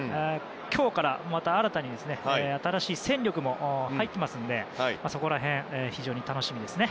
今日からまた新たに新しい戦力も入っていますのでそこら辺、非常に楽しみですね。